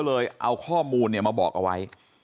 เลยเอาข้อมูลมาบอกเอาไว้